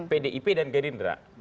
pdip dan gerindra